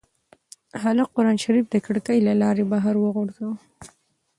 هلک قرانشریف د کړکۍ له لارې بهر وغورځاوه.